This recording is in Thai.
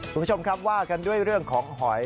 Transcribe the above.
คุณผู้ชมครับว่ากันด้วยเรื่องของหอย